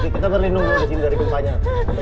kita perlu nunggu disini dari gempanya